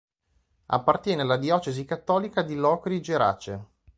Appartiene alla diocesi cattolica di Locri-Gerace.